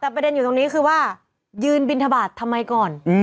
แต่ประเด็นอยู่ตรงนี้คือว่ายืนบินทบาททำไมก่อน